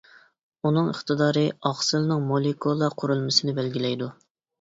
ئۇنىڭ ئىقتىدارى ئاقسىلنىڭ مولېكۇلا قۇرۇلمىسىنى بەلگىلەيدۇ.